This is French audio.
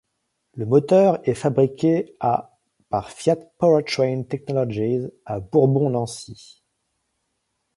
Le moteur est fabriqué à par Fiat Powertrain Technologies à Bourbon-Lancy.